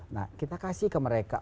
nah kita kasih ke mereka